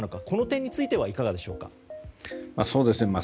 この点についてはいかがでしょうか。